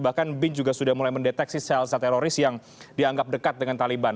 bahkan bin juga sudah mulai mendeteksi sel sel teroris yang dianggap dekat dengan taliban